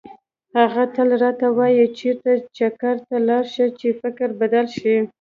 هغه تل راته وایي چېرته چکر ته لاړ شه چې فکر بدل شي.